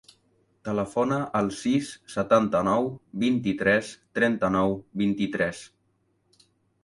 Telefona al sis, setanta-nou, vint-i-tres, trenta-nou, vint-i-tres.